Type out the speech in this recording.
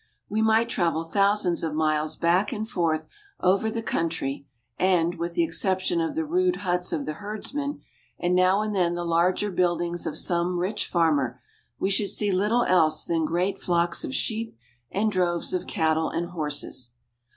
We might travel thousands of miles back and forth over the country and, with the exception of the rude huts of the herdsmen and now and then the larger buildings of some rich farmer, we should see little else than great flocks of sheep and droves of cattle and horses.